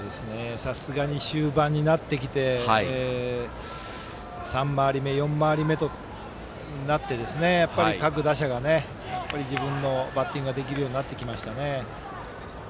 さすがに終盤になってきて３回り目、４回り目となって各打者が自分のバッティングができるようになってきましたね。